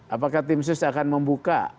apakah tim sus akan membuka